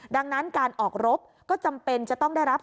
ดังนั้นการออกรบก็จำเป็นจะต้องได้รับ